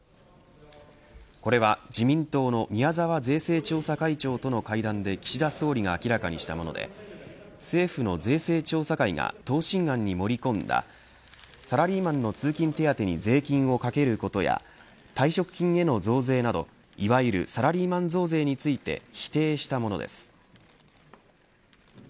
これは自民党の宮沢税制調査会長との会談で岸田総理が明らかにしたもので政府の税制調査会が答申案に盛り込んだサラリーマンの通勤手当に税金をかけることや退職金への増税などいわゆるサラリーマン増税について否定したものです。